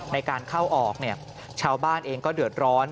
ในการเข้าออกเนี่ยชาวบ้านเองก็เดือดร้อน